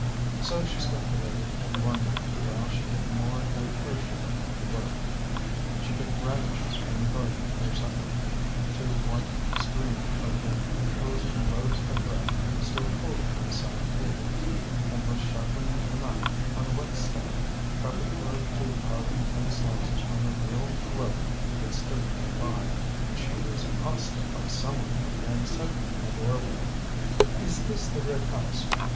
So she speculated and wondered, while she did more than her share of the work. She picked radishes from the garden for supper, threw white screening over the imposing loaves of bread still cooling on the side table, and was sharpening a knife on a whetstone, preparatory to carving thin slices from a veal loaf that stood near by, when she was accosted by some one appearing suddenly in the doorway. "Is this the Red House?"